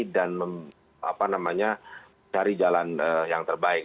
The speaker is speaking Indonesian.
dan mencari jalan yang terbaik